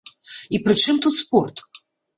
І прычым тут спорт?